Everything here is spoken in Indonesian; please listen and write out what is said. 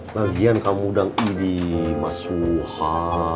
lagian kamu udah ngidi mas suha